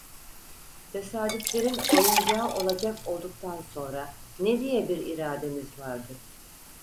Tesadüflerin oyuncağı olacak olduktan sonra ne diye bir irademiz vardı?